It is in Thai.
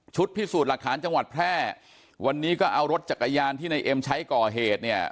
พิสูจน์หลักฐานจังหวัดแพร่วันนี้ก็เอารถจักรยานที่ในเอ็มใช้ก่อเหตุเนี่ย